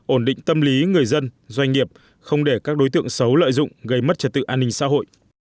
ổn định tâm lý người dân doanh nghiệp không để các đối tượng xấu lợi dụng gây mất trật tự an ninh xã hội